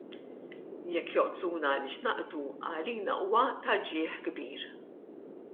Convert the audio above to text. Jekk joqtluna għaliex naqdu, għalina huwa ta' ġieħ kbir!